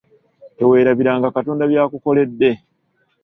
Teweerabiranga Katonda by’akukoledde.